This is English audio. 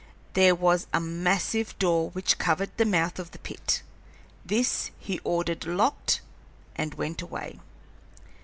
There was a massive door which covered the mouth of the pit; this he ordered locked and went away.